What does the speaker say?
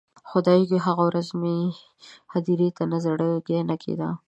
خدایږو، هغه ورځ مې هدیرې نه زړګی نه کیده